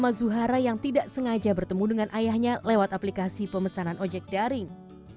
sama zuhara yang tidak sengaja bertemu dengan ayahnya lewat aplikasi pemesanan ojek daring